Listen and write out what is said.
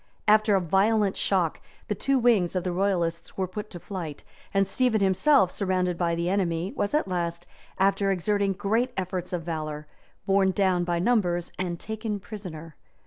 {1141.} After a violent shock, the two wings of the royalists were put to flight; and Stephen himself, surrounded by the enemy, was at last, after exerting great efforts of valor, borne down by numbers and taken prisoner.